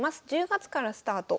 １０月からスタート。